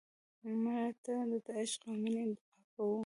مړه ته د عشق او مینې دعا کوو